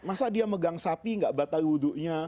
masa dia megang sapi gak batal wudhunya